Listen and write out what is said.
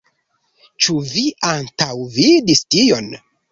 Ĉu vi antaŭvidis tion?